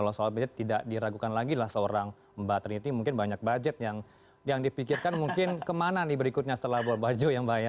kalau soal budget tidak diragukan lagi lah seorang mbak trinti mungkin banyak budget yang dipikirkan mungkin kemana nih berikutnya setelah buat baju yang bahaya